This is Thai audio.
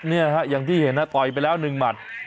เนี่ยฮะอย่างที่เห็นนะต่อยไปแล้ว๑หมัด